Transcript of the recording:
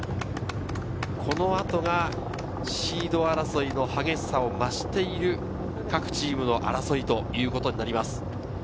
この後がシード争いの激しさを増している各チームの争いということになります。